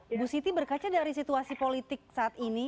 ibu siti berkaca dari situasi politik saat ini